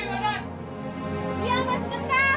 ambil tenang ke jalan aja sebenernya korban